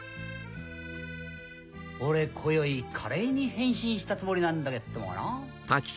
俺今宵華麗に変身したつもりなんだけっどもな。